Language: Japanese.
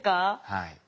はい。